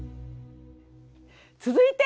続いて！